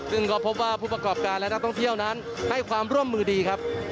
ซึ่งก็พบว่าผู้ประกอบการและนักท่องเที่ยวนั้นให้ความร่วมมือดีครับ